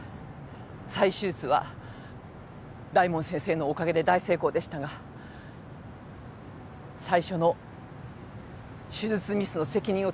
再手術は大門先生のおかげで大成功でしたが最初の手術ミスの責任を取って私は病院を去ります。